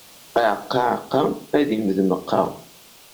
Aɛeqqa, aɛeqqa, ad immed meqqa.